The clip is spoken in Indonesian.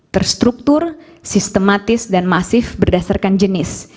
terstruktur sistematis dan masif berdasarkan jenis